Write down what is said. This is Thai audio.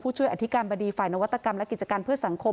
ช่วยอธิการบดีฝ่ายนวัตกรรมและกิจการเพื่อสังคม